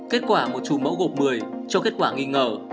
kết quả một chủ mẫu gộp một mươi cho kết quả nghi ngờ